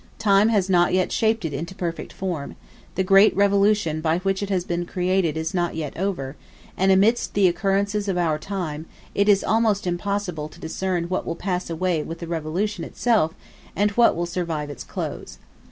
Time has not yet shaped it into perfect form: the great revolution by which it has been created is not yet over: and amidst the occurrences of our time, it is almost impossible to discern what will pass away with the revolution itself, and what will survive its close.